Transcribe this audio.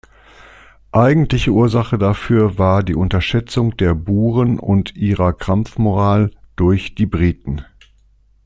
Eigentliche Ursache dafür war die Unterschätzung der Buren und ihrer Kampfmoral durch die Briten.